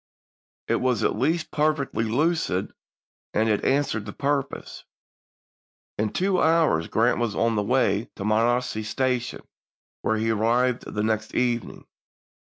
It was at least perfectly lucid, and it answered the purpose. In two hours Grant was on the way to Monocacy Station, where he arrived the next evening.